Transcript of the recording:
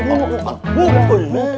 kalau kamu berubah